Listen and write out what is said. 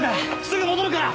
すぐ戻るから！